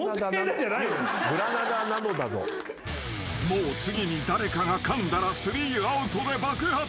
［もう次に誰かがかんだらスリーアウトで爆発］